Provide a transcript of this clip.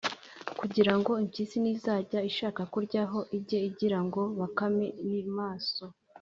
kugira ngo impyisi nizajya ishaka kuryaho, ijye igira ngo bakame ni maso.